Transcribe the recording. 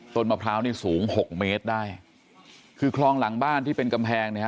มะพร้าวนี่สูงหกเมตรได้คือคลองหลังบ้านที่เป็นกำแพงเนี่ยฮะ